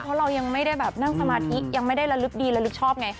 เพราะเรายังไม่ได้แบบนั่งสมาธิยังไม่ได้ระลึกดีระลึกชอบไง